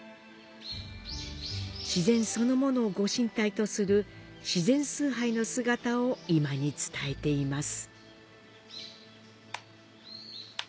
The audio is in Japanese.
自然そのものを御神体とする自然崇拝の姿を今に伝えています。